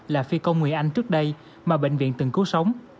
là phi công người anh trước đây mà bệnh viện từng cứu sống